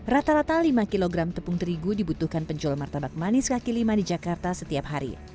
rata rata lima kg tepung terigu dibutuhkan penjual martabak manis kaki lima di jakarta setiap hari